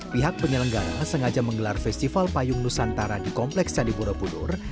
pihak penyelenggara sengaja menggelar festival payung nusantara di kompleks candi borobudur